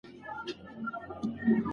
انا خپل جاینماز راواخیست.